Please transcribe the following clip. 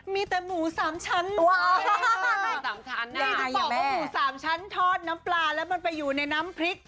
มีแต่หมูสามชั้นอย่างที่บอกว่าหมูสามชั้นทอดน้ำปลาแล้วมันไปอยู่ในน้ำพริก